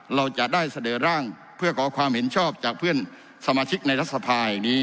เราจะได้เสนอร่างเพื่อขอความเห็นชอบจากเพื่อนสมาชิกในรัฐสภาแห่งนี้